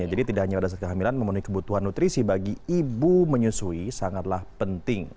jadi tidak hanya pada saat kehamilan memenuhi kebutuhan nutrisi bagi ibu menyusui sangatlah penting